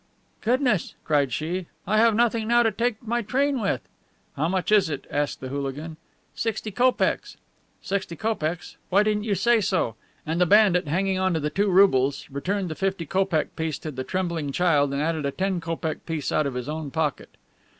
'Goodness,' cried she, 'I have nothing now to take my train with.' 'How much is it?' asked the hooligan. 'Sixty kopecks.' 'Sixty kopecks! Why didn't you say so?' And the bandit, hanging onto the two roubles, returned the fifty kopeck piece to the trembling child and added a ten kopeck piece out of his own pocket."